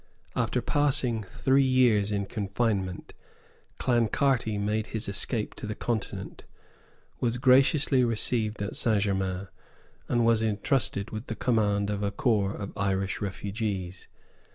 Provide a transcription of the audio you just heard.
After passing three years in confinement, Clancarty made his escape to the Continent, was graciously received at St. Germains, and was entrusted with the command of a corps of Irish refugees.